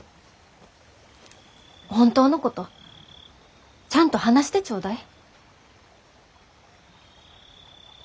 本当のことちゃんと話してちょうだい。